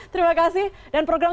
terima kasih dan program